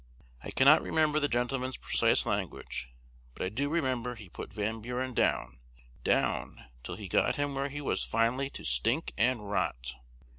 I cannot remember the gentleman's precise language, but I do remember he put Van Buren down, down, till he got him where he was finally to "stink" and "rot."